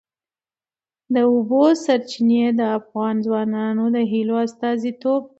د اوبو سرچینې د افغان ځوانانو د هیلو استازیتوب کوي.